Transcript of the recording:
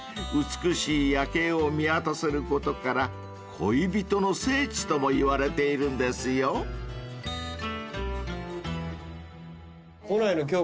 ［美しい夜景を見渡せることから恋人の聖地ともいわれているんですよ］来ないの？